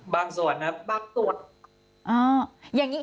ส่วนครับบางส่วน